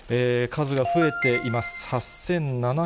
数が増えています。